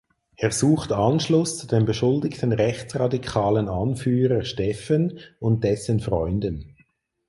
Er sucht Anschluss zu dem beschuldigten rechtsradikalen Anführer Steffen und dessen Freunden.